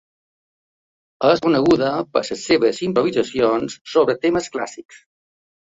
És coneguda per les seves improvisacions sobre temes clàssics.